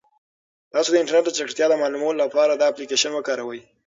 تاسو د انټرنیټ د چټکتیا د معلومولو لپاره دا اپلیکیشن وکاروئ.